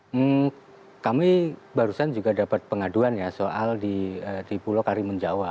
hmm kami barusan juga dapat pengaduan ya soal di pulau karimun jawa